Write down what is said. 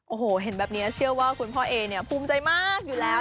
โอ้โหเห็นแบบนี้เชื่อว่าคุณพ่อเอเนี่ยภูมิใจมากอยู่แล้ว